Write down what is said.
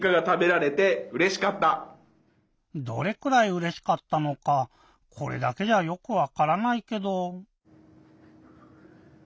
どれくらいうれしかったのかこれだけじゃよくわからないけど。